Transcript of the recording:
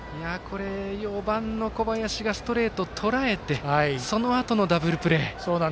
４番の小林がストレートとらえてそのあとのダブルプレー。